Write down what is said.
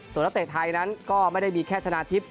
ส่วนนักเตรียมธัยนั้นก็ไม่ได้มีแค่ชนะทิศ